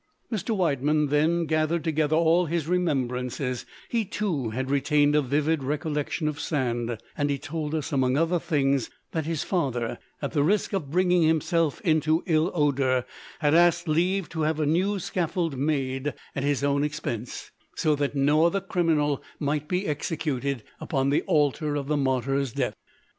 Mr. Widemann then gathered together all his remembrances; he, too, had retained a vivid recollection of Sand, and he told us among other things that his father, at the risk of bringing himself into ill odour, had asked leave to have a new scaffold made at his own expense, so that no other criminal might be executed upon the altar of the martyr's death.